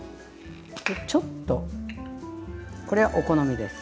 ちょっとこれはお好みです。